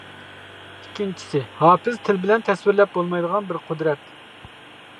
ئىككىنچىسى، ھاپىز تىل بىلەن تەسۋىرلەپ بولمايدىغان بىر قۇدرەت.